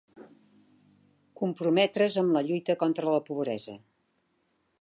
Comprometre's amb la lluita contra la pobresa.